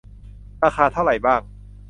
ราคาเท่าไหร่บ้าง